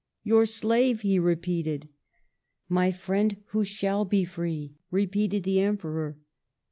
" Your slave !" he repeated. " My friend, who shall be free !" repeated the Emperor.